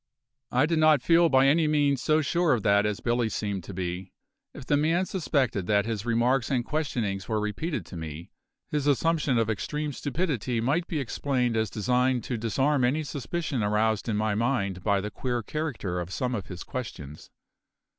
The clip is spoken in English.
I did not feel by any means so sure of that as Billy seemed to be. If the man suspected that his remarks and questionings were repeated to me, his assumption of extreme stupidity might be explained as designed to disarm any suspicion aroused in my mind by the queer character of some of his questions.